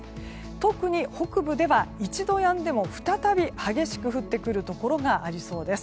特に北部では、一度やんでも再び激しく降ってくるところがありそうです。